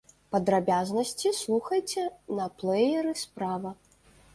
Падрабязнасці слухайце на плэйеры справа.